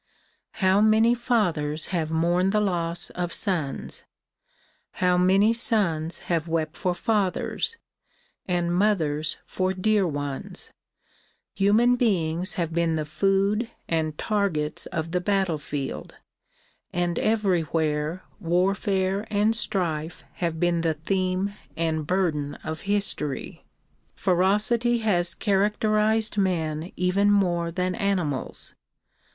How many fathers have mourned the loss of sons ; how many sons have wept for fathers, and mothers for dear ones ! Human beings have been the food and targets of the battle field, and everywhere warfare and strife have been the theme and burden of history. Ferocity has characterized men even more than animals.